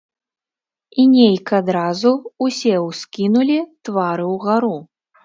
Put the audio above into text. І нейк адразу ўсе ўскінулі твары ўгару.